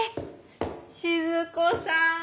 静子さん